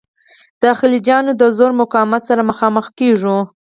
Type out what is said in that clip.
د خلجیانو د زورور مقاومت سره مخامخ کیږو.